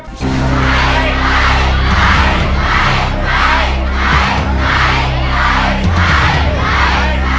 ใช้